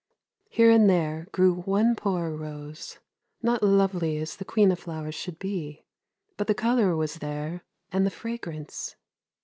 Here and there grew one poor rose, not lovely as the queen of flowers should be, but the colour was there, and the fragrance.